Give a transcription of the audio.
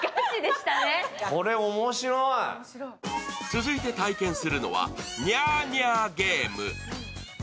続いて体験するのは「ニャーニャーゲーム」。